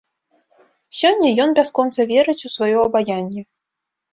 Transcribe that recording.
Сёння ён бясконца верыць у сваё абаянне.